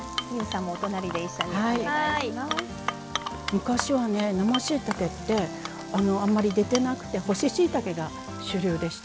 昔はね生しいたけってあんまり出てなくて干ししいたけが主流でした。